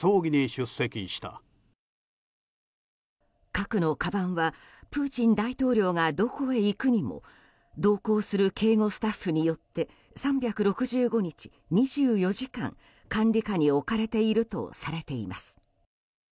核のかばんはプーチン大統領がどこへ行くにも同行する警護スタッフによって３６５日２４時間、管理下に置かれているとされています。